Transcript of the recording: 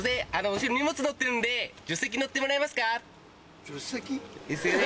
後ろ荷物のってるんで助手席乗ってもらえますかすいません